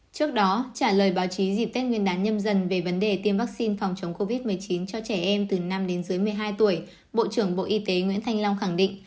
trước đó trả lời báo chí dịp tết nguyên đán nhâm dần về vấn đề tiêm vaccine phòng chống covid một mươi chín cho trẻ em từ năm đến dưới một mươi hai tuổi bộ trưởng bộ y tế nguyễn thanh long khẳng định